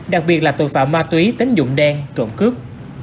đặc biệt là tội phạm ma túy tính dụng đen trộm cướp